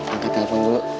angkat telpon dulu